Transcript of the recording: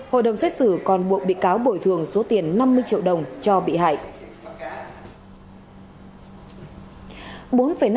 hội đồng xét xử còn buộc bị cáo bồi thường số tiền năm mươi triệu đồng cho bị hại